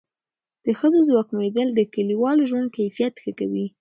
د ښځو ځواکمنېدل د کلیوال ژوند کیفیت ښه کوي.